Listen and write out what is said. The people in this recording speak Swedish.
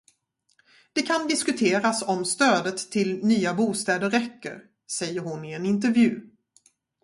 Det kan diskuteras om stödet till nya bostäder räcker, säger hon i en intervju.